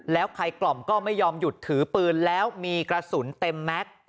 แล้วใครกล่อมก็ไม่ยอมหยุดถือปืนแล้วมีกระสุนเต็มแม็กซ์